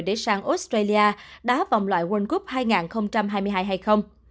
để sang australia đá vòng loại world cup hai nghìn hai mươi hai hay không